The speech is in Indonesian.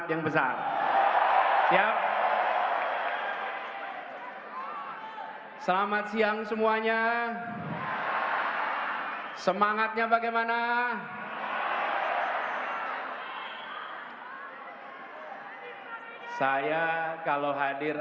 yang dari manado